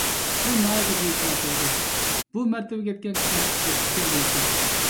بۇ ناھايىتى بۈيۈك مەرتىۋىدۇر. بۇ مەرتىۋىگە يەتكەن كىشىنىڭ ئىشى پۈتكەندە ھېساب.